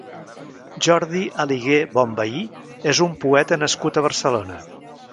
Jordi Aligué Bonvehí és un poeta nascut a Barcelona.